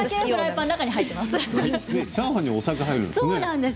チャーハンにお酒が入るんですね。